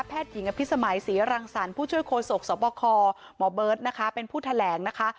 แพทย์หญิงอภิษมัยศรีรังสรรค์ผู้ช่วยโครโศกสวบคหมอเบิร์ตเป็นผู้แถลงนะคะ